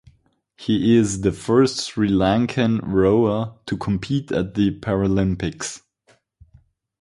He is the first Sri Lankan rower to compete at the Paralympics.